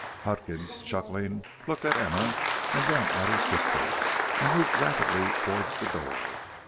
Huckins, chuckling, looked at Emma, and then at her sister, and moved rapidly towards the door.